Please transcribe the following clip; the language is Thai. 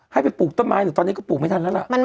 ให้ไปปลูกต้นไม้หรือตอนนี้ก็ปลูกไม่ทันแล้วล่ะ